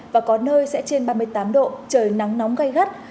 và có nơi sẽ trên ba mươi tám độ trời nắng nóng gây gắt